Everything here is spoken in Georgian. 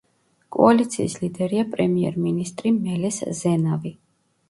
კოალიციის ლიდერია პრემიერ-მინისტრი მელეს ზენავი.